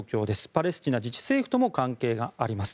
パレスチナ自治政府とも関係があります。